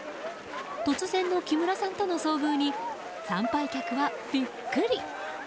突然の木村さんとの遭遇に参拝客はビックリ。